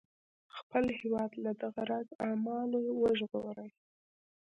خپل هیواد له دغه راز اعمالو وژغوري.